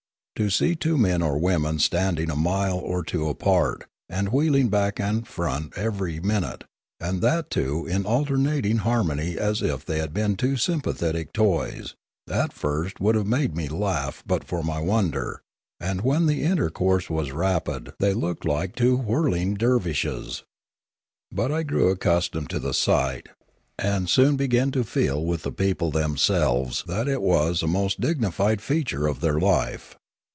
To see two men or women standing a mile or two apart and wheeling back and front every minute, and that, too, in alternating harmony as if they had been two sympathetic toys, at first would have made me laugh but for my wonder; and when the in tercourse was rapid they looked like two whirling dervishes; but I grew accustomed to the sight, and soon began .to feel with the people themselves that it was a most dignified feature of their life.